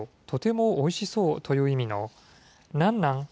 とてもおいしそうという意味の、なんなん？